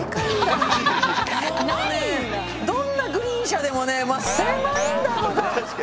どんなグリーン車でもね